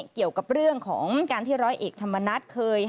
เกี่ยวกับเรื่องของการที่ร้อยเอกธรรมนัฐเคย